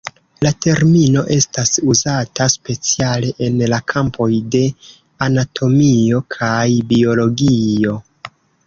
La termino estas uzata speciale en la kampoj de anatomio kaj biologio.